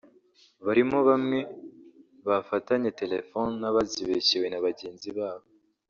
barimo bamwe bafatanye téléphones n’abazibeshyewe na bagenzi babo